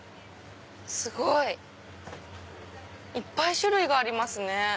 すごい！いっぱい種類がありますね。